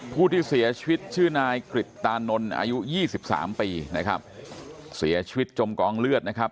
ผู้ที่เสียชีวิตชื่อนายกริตตานนท์อายุยี่สิบสามปีนะครับเสียชีวิตจมกองเลือดนะครับ